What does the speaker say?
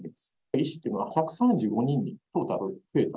医師っていうのは１３５人にトータルで増えた。